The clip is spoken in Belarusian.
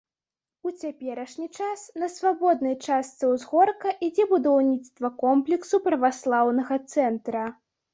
У цяперашні час на свабоднай частцы ўзгорка ідзе будаўніцтва комплексу праваслаўнага цэнтра.